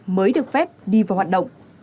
mới được phép đi vào hoạt động